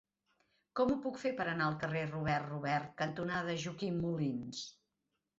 Com ho puc fer per anar al carrer Robert Robert cantonada Joaquim Molins?